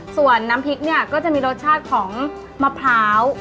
ส่วนน้ำพริกเนี่ยก็จะมีรสชาติของมะพร้าว